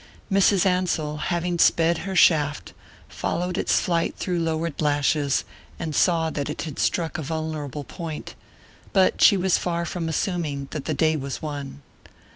Mrs. Ansell, having sped her shaft, followed its flight through lowered lashes, and saw that it had struck a vulnerable point; but she was far from assuming that the day was won.